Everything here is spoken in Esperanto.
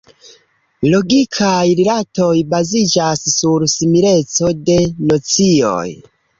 Logikaj rilatoj baziĝas sur simileco de nocioj.